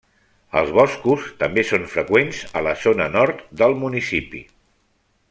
Els boscos també són freqüents a la zona nord del municipi.